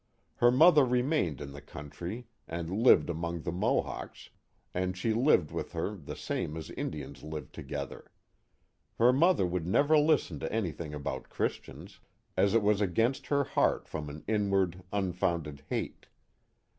Her mother remained in the country and lived among the Mohawks, and she lived with her the same as Indians live together. Her mother would never listen to anything about Christians, as it was against her heart from an inward un founded hate.